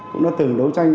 cũng đã từng đấu tranh